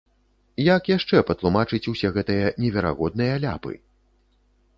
Як яшчэ патлумачыць усе гэтыя неверагодныя ляпы?